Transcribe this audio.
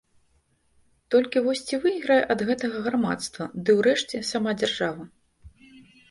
Толькі вось ці выйграе ад гэтага грамадства ды, урэшце, сама дзяржава?